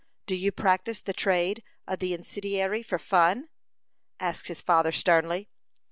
"Do you practise the trade of the incendiary for fun?" asked his father, sternly.